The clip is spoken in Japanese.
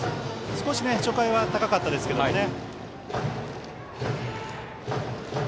少し初回は高かったですけどね。